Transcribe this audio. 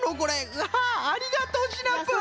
うわありがとうシナプー！